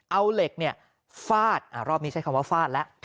เอาเหล็กฟาดรอบนี้ใช้คำว่าฟาดแล้ว